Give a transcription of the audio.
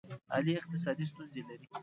علي اقتصادي ستونزې لري.